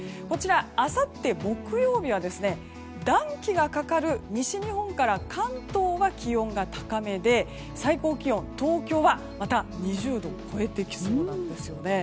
こちらあさって木曜日は暖気がかかる西日本から関東は気温が高めで最高気温、東京はまた２０度を超えてきそうです。